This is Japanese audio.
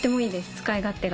使い勝手が。